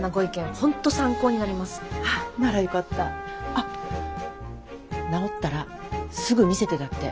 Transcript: あっ直ったらすぐ見せてだって。